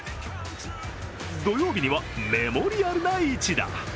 土曜日には、メモリアルな一打。